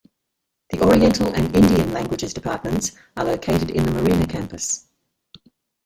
The oriental and Indian languages departments are located in the Marina Campus.